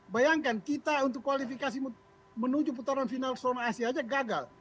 bayangkan kita untuk kualifikasi menuju putaran final sonar asia saja gagal